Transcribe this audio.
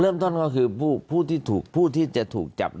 เริ่มท่อนก็คือผู้ที่ถูกผู้ที่จะถูกจับ